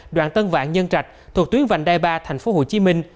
đoạn tân vạn nhân trạch thuộc tuyến vành đai ba tp hcm